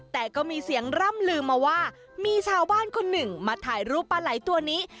แต่ก็มีเสียงร่ำลืมมาว่ามีชาวบ้านคนหนึ่งมาถ่ายรูปปลาไหล่ตัวนี้